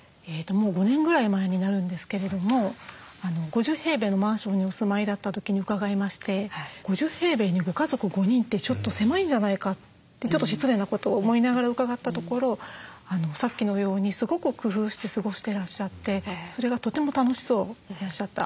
もう５年ぐらい前になるんですけれども５０のマンションにお住まいだった時に伺いまして５０にご家族５人ってちょっと狭いんじゃないかってちょっと失礼なことを思いながら伺ったところさっきのようにすごく工夫して過ごしてらっしゃってそれがとても楽しそうでいらっしゃった。